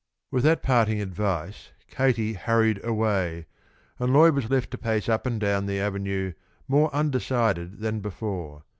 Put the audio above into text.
With that parting advice Katie hurried away, and Lloyd was left to pace up and down the avenue more undecided than before.